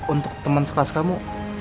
untuk temen sekelas kamu